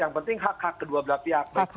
yang penting hak hak kedua belah pihak